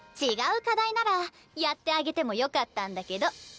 違う課題ならやってあげてもよかったんだけど。